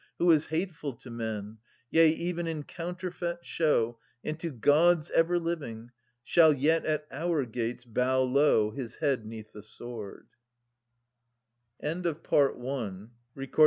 Who is hateful to men, yea, even in counterfeit show. And to Gods everliving, shall yet at our gates bow low His head 'neath the sword.